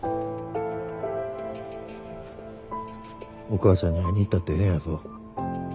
お母ちゃんに会いに行ったってええんやぞ。